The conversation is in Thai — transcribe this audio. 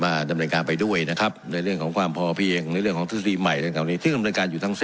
มาดำเนินการไปด้วยนะครับในเรื่องของความพอเพียง